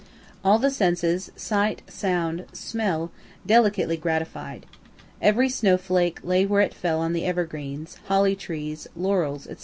All the senses, sight, sound, smell, delicately gratified. Every snowflake lay where it fell on the evergreens, holly trees, laurels, &c.